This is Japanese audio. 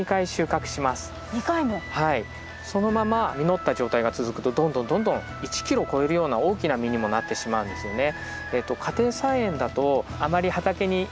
そのまま実った状態が続くとどんどんどんどん１キロを超えるような大きな実にもなってしまうんですよね。